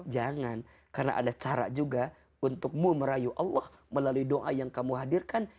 jangan karena ada cara juga untukmu merayu allah melalui doa yang kamu hadirkan